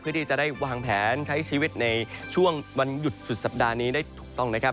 เพื่อที่จะได้วางแผนใช้ชีวิตในช่วงวันหยุดสุดสัปดาห์นี้ได้ถูกต้องนะครับ